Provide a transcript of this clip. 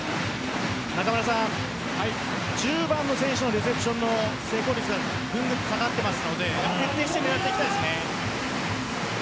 １０番の選手のレセプションの成功率がぐんぐん下がっていますので徹底して狙っていきたいですね。